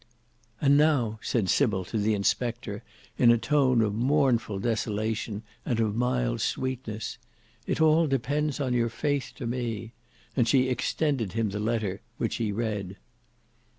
"And now," said Sybil to the inspector in a tone of mournful desolation and of mild sweetness, "all depends on your faith to me," and she extended him the letter, which he read.